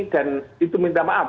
dan itu minta maaf